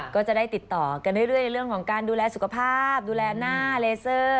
ก็จะได้ติดต่อกันเรื่อยในเรื่องของการดูแลสุขภาพดูแลหน้าเลเซอร์